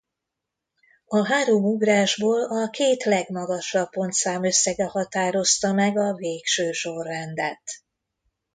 A három ugrásból a két legmagasabb pontszám összege határozta meg a végső sorrendet.